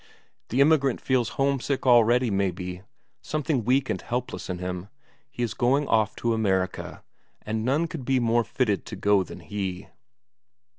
The emigrant feels home sick already, maybe, something weak and helpless in him; he is going off to America, and none could be more fitted to go than he.